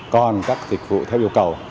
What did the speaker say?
còn các dịch vụ theo yêu cầu